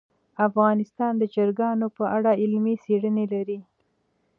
افغانستان د چرګانو په اړه علمي څېړنې لري.